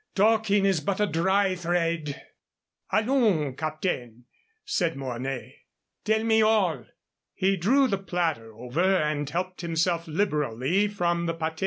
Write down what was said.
Talking is but a dry thrade." "Allons, Captain," said Mornay, "tell me all." He drew the platter over and helped himself liberally from the pâté.